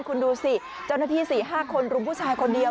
คุณดูสิเจ้าหน้าที่๔๕คนรุมผู้ชายคนเดียว